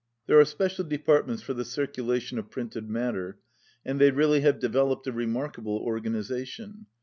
There are special departments for the circula tion of printed matter, and they really have de veloped a remarkable organization.